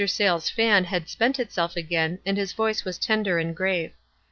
Sayles' fun had spent itself again, and his voice was tender and grave.